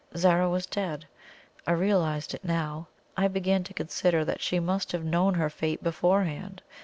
Zara was dead. I realized it now. I began to consider that she must have known her fate beforehand.